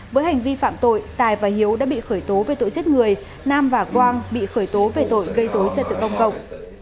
với hành vi phạm tội tài và hiếu đã bị khởi tố về tội giết người nam và quang bị khởi tố về tội gây dối trật tự công cộng